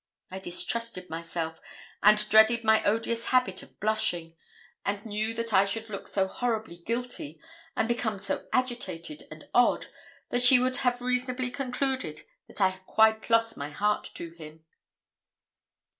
I distrusted myself, and dreaded my odious habit of blushing, and knew that I should look so horribly guilty, and become so agitated and odd, that she would have reasonably concluded that I had quite lost my heart to him.